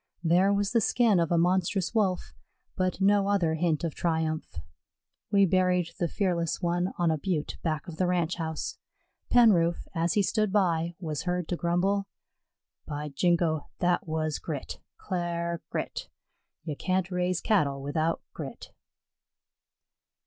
There was the skin of a monstrous Wolf, but no other hint of triumph. We buried the fearless one on a butte back of the Ranch house. Penroof, as he stood by, was heard to grumble: "By jingo, that was grit cl'ar grit! Ye can't raise Cattle without grit."